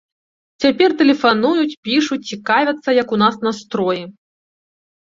Цяпер тэлефануюць, пішуць, цікавяцца, як у нас настроі.